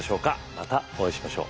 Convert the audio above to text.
またお会いしましょう。